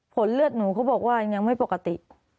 เลือดหนูเขาบอกว่ายังไม่ปกติ